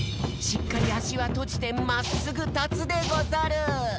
しっかりあしはとじてまっすぐたつでござる！